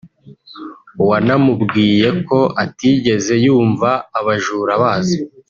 wanamubwiye ko atigeze yumva abajura baza